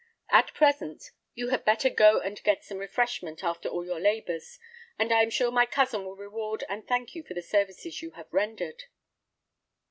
At present, you had better go and get some refreshment after all your labours; and I am sure my cousin will reward and thank you for the services you have rendered."